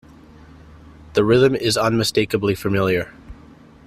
The rhythm is unmistakably familiar.